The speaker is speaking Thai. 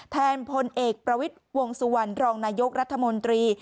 พลเอกประวิทย์วงสุวรรณรองนายกรัฐมนตรี